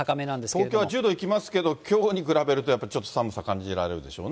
東京は１０度いきますけど、きょうに比べると、やっぱりちょっと寒さ感じられるでしょうね。